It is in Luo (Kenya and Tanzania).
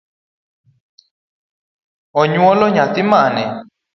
Onyuolo nyathi mane?